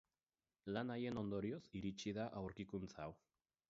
Lan haien ondorioz iritsi da aurkikuntza hau.